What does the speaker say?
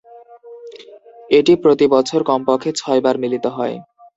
এটি প্রতি বছর কমপক্ষে ছয় বার মিলিত হয়।